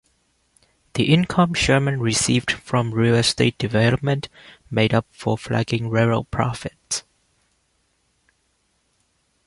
The income Sherman received from real estate development made up for flagging railroad profits.